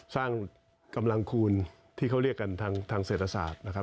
สร้างกำลังคูณที่เขาเรียกกันทางเศรษฐศาสตร์นะครับ